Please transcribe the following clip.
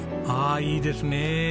ああいいですね。